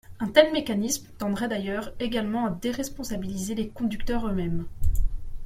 Un tel mécanisme tendrait d’ailleurs également à déresponsabiliser les conducteurs eux-mêmes.